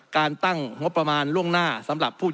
การตั้งงบประมาณล่วงหน้า